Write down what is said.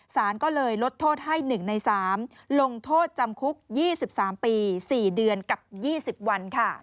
สารก็เลยลดโทษให้๑ใน๓ลงโทษจำคุก๒๓ปี๔เดือนกับ๒๐วัน